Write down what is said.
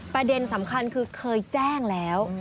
ประเด็นสำคัญคือเคยแจ้งแล้ว